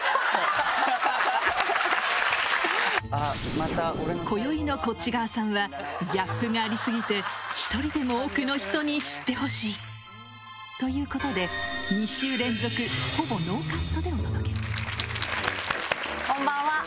今夜こよいのこっち側さんはギャップがありすぎて１人でも多くの人に知ってほしいということで２週連続ほぼノーカットでお届けこんばんは。